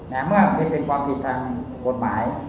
แต่เมื่อมันเป็นความผิดทางกฎหมาย